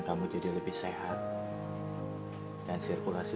keluar dari tiketsu lama ini